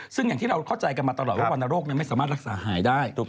ซึ่งที่เราเข้าใจกันมาตลอดว่าวัณรกไม่สามารถรักษาหายได้